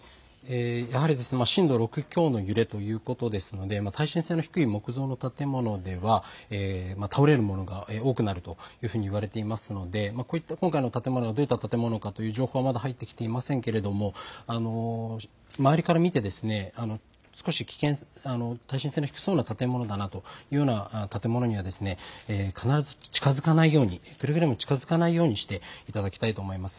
やはり震度６強の揺れということですので耐震性の低い木造の建物では倒れるものが多くなるというふうに言われていますので今回の建物がどういった建物かという情報は入ってきていませんが周りから見て少し耐震性の低そうな建物だなというような建物には必ず近づかないようにしていただきたいと思います。